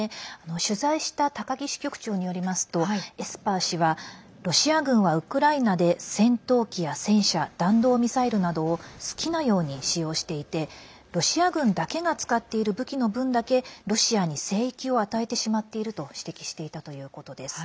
取材した高木支局長によりますとエスパー氏は、ロシア軍はウクライナで戦闘機や戦車弾道ミサイルなどを好きなように使用していてロシア軍だけが使っている武器の分だけロシアに聖域を与えてしまっていると指摘していたということです。